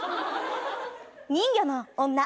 人魚の女